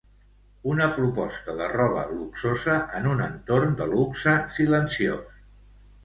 Una proposta de roba luxosa en un entorn de luxe silenciós.